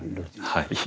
はい。